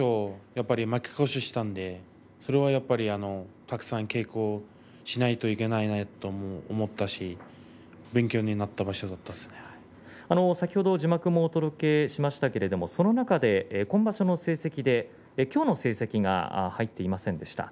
やっぱり負け越ししたのでそれはやっぱりたくさん稽古をしないといけないなと思いましたし先ほど字幕でもお届けしましたけどその中で今場所の成績できょうの成績が入っていませんでした。